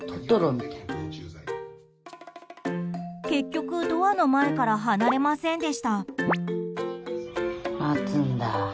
結局ドアの前から離れませんでした。